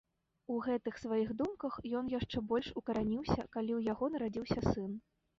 У гэтых сваіх думках ён яшчэ больш укараніўся, калі ў яго нарадзіўся сын.